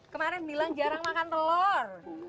kemarin bilang jarang makan telur